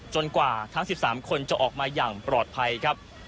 กว่าทั้ง๑๓คนจะออกมาอย่างปลอดภัยครับ